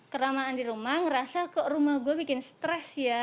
keramaan di rumah ngerasa kok rumah gue bikin stres ya